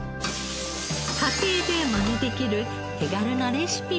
家庭でマネできる手軽なレシピもご紹介。